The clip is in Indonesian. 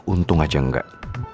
untung aja enggak